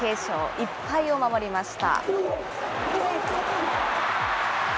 １敗を守りました。